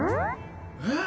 えっ！